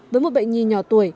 với một bệnh nhi nhỏ tuổi